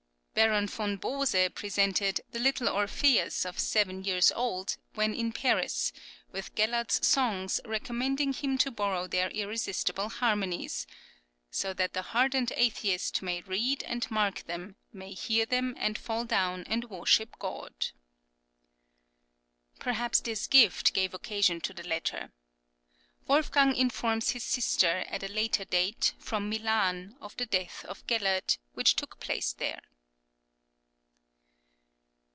Baron von Bose presented "the little Orpheus of seven years old," when in Paris, with Gellert's songs, recommending him to borrow their irresistible harmonies, "so that the hardened atheist may read and mark them, may hear them and fall down and worship God." Perhaps this gift gave occasion to the letter. Wolfgang informs his sister at a later date, from Milan, of the death of Gellert, which took place there.